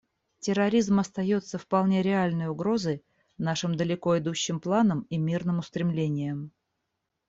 Терроризм остается вполне реальной угрозой нашим далеко идущим планам и мирным устремлениям.